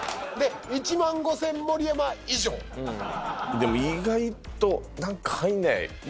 でも意外と何か入んない。